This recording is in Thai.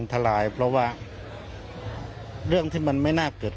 คุณยายบอกว่ารู้สึกเหมือนใครมายืนอยู่ข้างหลัง